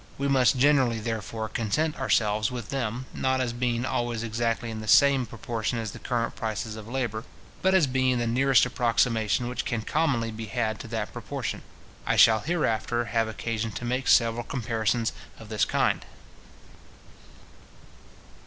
We must generally, therefore, content ourselves with them, not as being always exactly in the same proportion as the current prices of labour, but as being the nearest approximation which can commonly be had to that proportion. I shall hereafter have occasion to make several comparisons of this kind.